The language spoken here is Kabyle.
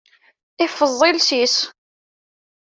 Iffeẓ iles-is.